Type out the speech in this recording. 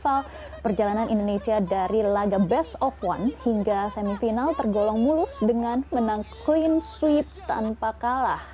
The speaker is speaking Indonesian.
pada awal perjalanan indonesia dari laga best of one hingga semifinal tergolong mulus dengan menang clean sweep tanpa kalah